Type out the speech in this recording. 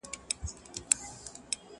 شمع هر څه ویني راز په زړه لري!.